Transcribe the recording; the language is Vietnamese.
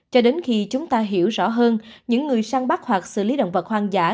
cho đến khi chúng ta hiểu rõ hơn những người sang bắc hoặc xử lý động vật hoang dã